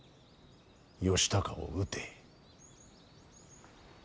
義高を討て。